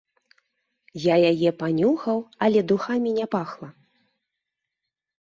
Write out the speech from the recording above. Я яе панюхаў, але духамі не пахла.